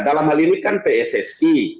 dalam hal ini kan pssi